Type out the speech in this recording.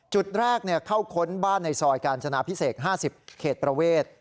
จุดแรกเนี่ยเข้าค้นบ้านในซอยกาญจนาพิเศษห้าสิบเขตประเวท